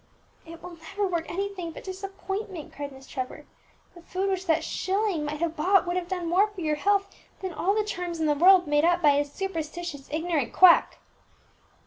"It will never work anything but disappointment!" cried Miss Trevor; "the food which that shilling might have bought would have done more for your health than all the charms in the world made up by a superstitious, ignorant quack!"